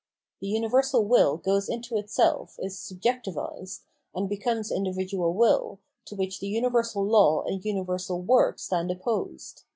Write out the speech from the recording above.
The universal will goes into itself, is sub jecti vised, and becomes individual will, to which the universal law and universal work stand opposed.